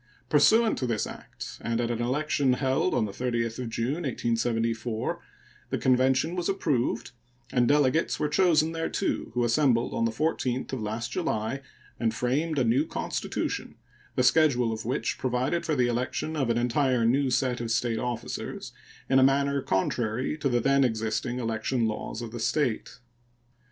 Pursuant to this act, and at an election held on the 30th of June, 1874, the convention was approved, and delegates were chosen thereto, who assembled on the 14th of last July and framed a new constitution, the schedule of which provided for the election of an entire new set of State officers in a manner contrary to the then existing election laws of the State.